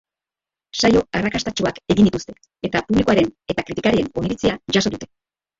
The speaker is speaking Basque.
Saio arrakastatsuak egin dituzte, eta publikoaren eta kritikarien oniritzia jaso dute.